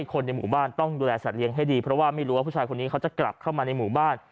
คนในหมู่บ้านต้องดูแลสัตเลี้ยงให้ดีเพราะว่าไม่รู้ว่าผู้ชายคนนี้เขาจะกลับเข้ามาในหมู่บ้าน